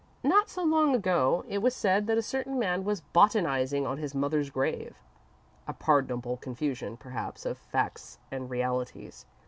Not so long ago, it was said that a certain man was "botanising on his mother's grave," a pardonable confusion, perhaps, of facts and realities.